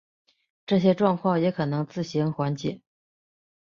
这些状况也可能自行缓解。